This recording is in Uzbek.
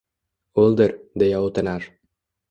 O’ldir, — deya o’tinar.